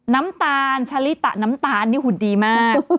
น้ำตาลชะลิตะน้ำตาลนี่หุ่นดีมาก